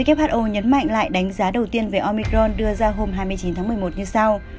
who nhấn mạnh lại đánh giá đầu tiên về omicron đưa ra hôm hai mươi chín tháng một mươi một như sau